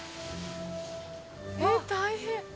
大変。